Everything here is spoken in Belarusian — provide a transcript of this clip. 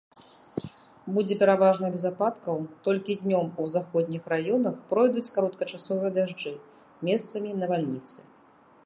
Будзе пераважна без ападкаў, толькі днём у заходніх раёнах пройдуць кароткачасовыя дажджы, месцамі навальніцы.